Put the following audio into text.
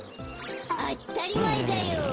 あったりまえだよ。